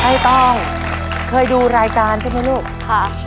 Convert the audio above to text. ต้องเคยดูรายการใช่ไหมลูกค่ะ